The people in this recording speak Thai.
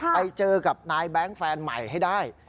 ไปเจอกับนายแบงค์แฟนใหม่ให้ได้